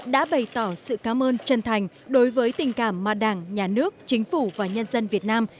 đã bày tỏ sự cảm ơn chân thành đối với tình cảm mà đảng nhà nước chính phủ và nhân dân việt nam